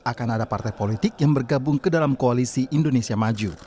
akan ada partai politik yang bergabung ke dalam koalisi indonesia maju